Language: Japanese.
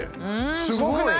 すごくない？